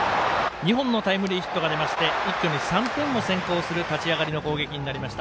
２本のタイムリーヒットが出まして一挙に３点を先行する立ち上がりの攻撃になりました。